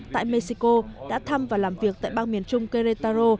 tại mexico đã thăm và làm việc tại bang miền trung kerretaro